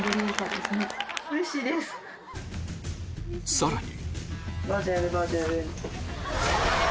さらに！